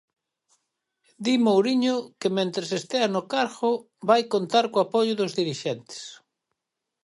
Di Mouriño que mentres estea no cargo vai contar co apoio dos dirixentes.